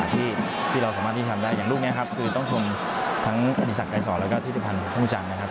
ที่เราสามารถที่ทำได้อย่างรูปนี้ครับคือต้องชมทั้งอดีศักดิ์ไกรศรแล้วก็ทฤษภัณฑ์ภูมิศักดิ์นะครับ